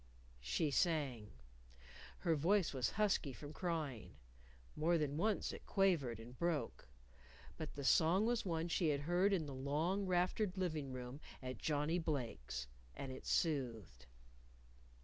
She sang. Her voice was husky from crying. More than once it quavered and broke. But the song was one she had heard in the long, raftered living room at Johnnie Blake's. And it soothed.